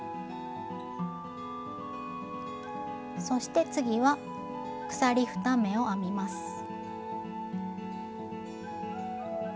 そして次は鎖２目を編みます。